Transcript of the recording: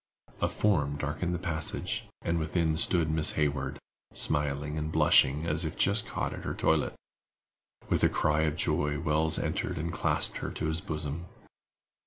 A form darkened the passage, and within stood Miss Hayward, smiling and blushing as if just caught at her toilet. With a cry of joy Wells entered and clasped her to his bosom.